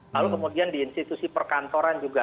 lalu kemudian di institusi perkantoran juga